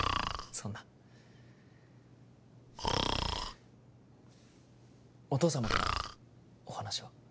そんなお父様からお話は？